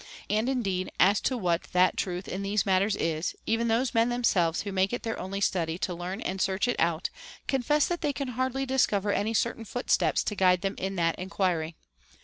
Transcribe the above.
And indeed, as to what that truth in these matters is, even those men themselves who make it their only study to learn and search it out confess that they can hardly dis cover any certain footsteps to guide them in that enquiry.